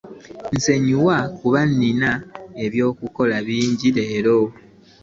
Nsonyiwa kuba nina eby'okukola bingi leero.